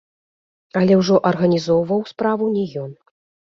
Але ўжо арганізоўваў справу не ён.